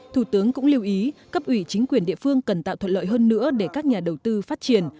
thủ tướng cũng lưu ý cấp ủy chính quyền địa phương cần tạo thuận lợi hơn nữa để các nhà đầu tư phát triển